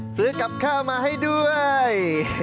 ซื้อกับข้าวมาให้ด้วย